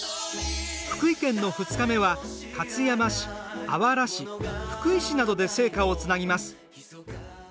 福井県の２日目は勝山市あわら市、福井市などで聖火をつなぎます。